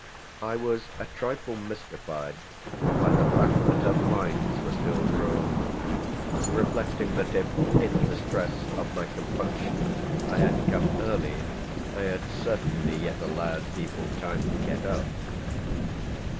I was a trifle mystified by the fact that her blinds were still drawn, reflecting that if in the stress of my compunction I had come early I had certainly yet allowed people time to get up.